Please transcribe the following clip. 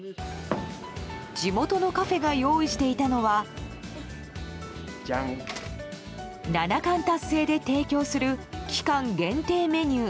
地元のカフェが用意していたのは七冠達成で提供する期間限定メニュー。